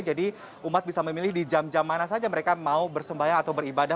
jadi umat bisa memilih di jam jam mana saja mereka mau bersembahyang atau beribadah